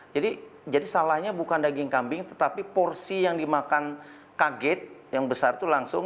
jadi salahnya bukan daging kambing tetapi porsi yang dimakan kaget yang besar itu langsung